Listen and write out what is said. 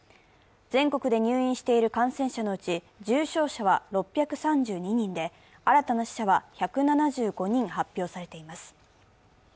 全国で入院している感染者のうち重症者は６３２人で、新たな死者は１７５人発表されています。